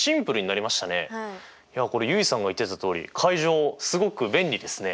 いやこれ結衣さんが言ってたとおり階乗すごく便利ですね！